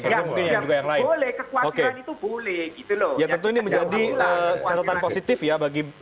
kemungkinan juga yang lain oke boleh gitu loh ya tentu ini menjadi catatan positif ya bagi